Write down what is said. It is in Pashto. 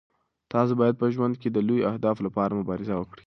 تاسو باید په ژوند کې د لویو اهدافو لپاره مبارزه وکړئ.